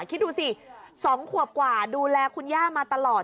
คิดดูสิ๒ขวบกว่าดูแลคุณย่ามาตลอด